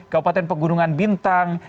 kabupaten pegunungan bintang